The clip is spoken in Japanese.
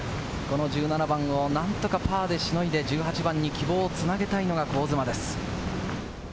１７番を何とかパーでしのいで、１８番に希望を繋げたいのが香妻です。